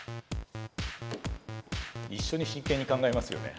一緒に真剣に考えますよね。